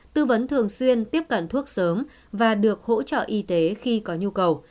tư vấn thường xuyên tiếp cận thuốc sớm và được hỗ trợ y tế khi có nhu cầu